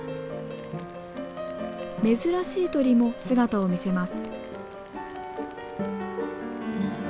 珍しい鳥も姿を見せます。